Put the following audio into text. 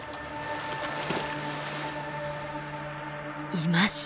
いました！